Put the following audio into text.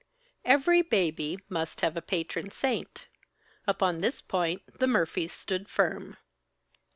Every baby must have a patron saint. Upon this point, the Murphys stood firm.